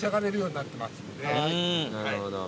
なるほど。